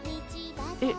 えっ。